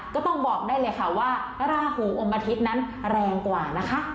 ก็ต้องบอกได้เลยค่ะว่าราหูอมอาทิตย์นั้นแรงกว่านะคะ